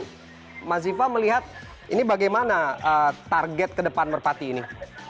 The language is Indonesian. jadi itu mas ziva melihat ini bagaimana target ke depan merpati ini